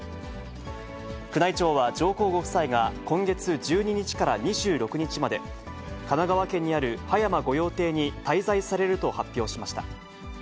宮内庁は上皇ご夫妻が、今月１２日から２６日まで、神奈川県にある葉山御用邸に滞在されると発表しました。